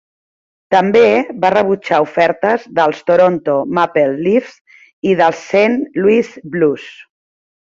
També va rebutjar ofertes dels Toronto Maple Leafs i dels Saint Louis Blues.